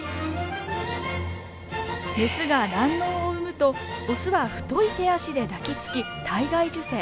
メスが卵のうを産むとオスは太い手足で抱きつき体外受精。